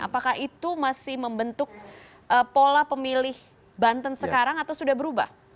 apakah itu masih membentuk pola pemilih banten sekarang atau sudah berubah